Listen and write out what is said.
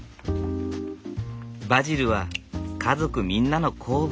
バジルは家族みんなの好物。